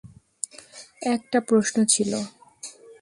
একটা প্রশ্ন ছিল।